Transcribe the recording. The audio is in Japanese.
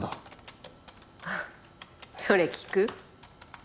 あそれ聞く？